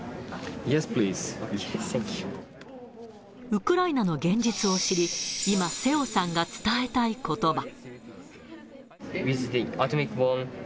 ウクライナの現実を知り、今、瀬尾さんが伝えたいことば。